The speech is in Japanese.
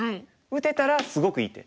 打てたらすごくいい手。